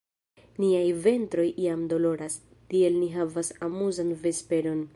Niaj ventroj jam doloras; tiel ni havas amuzan vesperon!